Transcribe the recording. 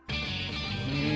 うん。